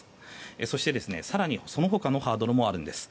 そして、更にその他のハードルもあるんです。